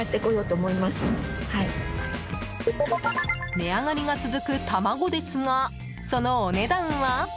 値上がりが続く卵ですがそのお値段は。